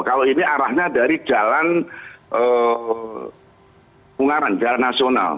kalau ini arahnya dari jalan ungaran jalan nasional